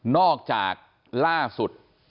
นอกจากล่าสุด